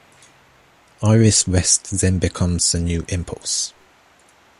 Iris West then becomes the new Impulse.